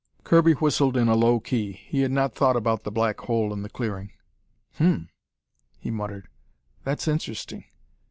Kirby whistled in a low key. He had not thought about the black hole in the clearing. "Hum," he muttered, "that's interesting.